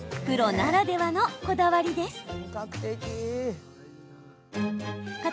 プロならではのこだわりです。